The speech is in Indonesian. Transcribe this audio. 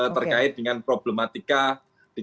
terkait dengan problematika di kepulauan